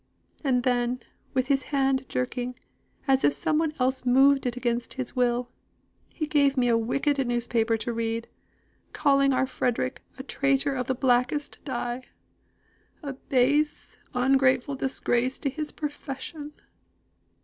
And then, with his hand jerking, as if some one else moved it against his will, he gave me a wicked newspaper to read, calling our Frederick a 'traitor of the blackest dye,' 'a base, ungrateful disgrace to his profession.